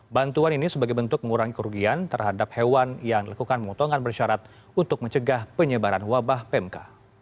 bantuan ini sebagai bentuk mengurangi kerugian terhadap hewan yang lakukan pemotongan bersyarat untuk mencegah penyebaran wabah pmk